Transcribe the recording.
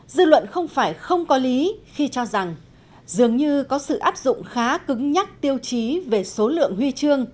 dư luận không phải không có lý khi cho rằng dường như có sự áp dụng khá cứng nhắc tiêu chí về số lượng huy chương